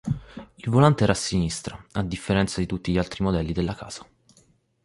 Il volante era a sinistra, a differenza di tutti gli altri modelli della casa.